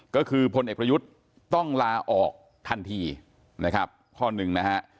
ก็คือพลเอกประยุทธ์ต้องลาออกทันทีนะครับข้อหนึ่งนะฮะ